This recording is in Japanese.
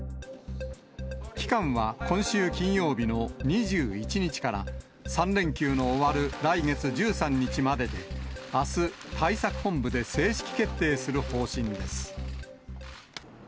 期間は今週金曜日の２１日から３連休の終わる来月１３日までで、あす、対策本部で正式決定する方針です。